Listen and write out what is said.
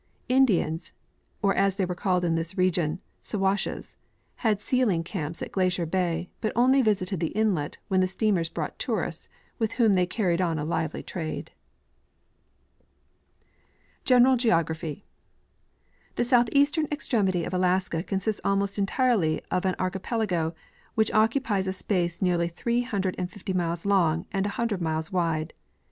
Indians, or as they are called in this region " Siwashes," had sealing camps in Glacier bay, but only visited the inlet when the steamers brought tourists, with whom they carried on a. lively trade. General Geography. ' The southeastern extremity of Alaska consists almost entirely of an archipelago, which occupies a space nearly three hundred and fifty miles long and a hundred miles wide.